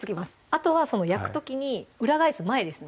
あとは焼く時に裏返す前ですね